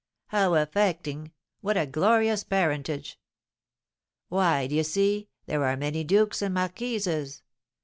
"How affecting! What a glorious parentage!" "Why, d'ye see, there are many dukes and marquises.